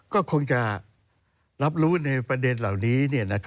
ก็คงจะรับรู้ในประเด็นเหล่านี้